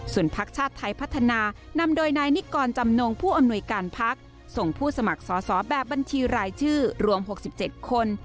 ส่วนพักชาติไทยพัฒนานำโดยนายนิกรจำนงผู้อำนวยการพักส่งผู้สมัครสอสอแบบบัญชีรายชื่อรวม๖๗คน